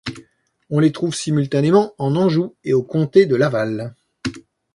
On les trouve simultanément en Anjou et au comté de Laval.